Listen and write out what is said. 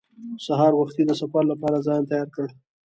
سهار وختي د سفر لپاره ځان تیار کړ.